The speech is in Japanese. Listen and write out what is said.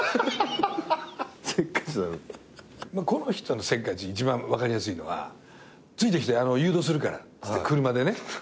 この人のせっかち一番分かりやすいのは「ついてきて誘導するから」っつって車でね。